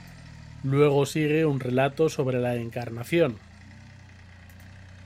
Luego sigue un relato sobre la Encarnación.